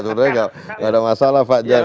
tentunya tidak ada masalah pak jan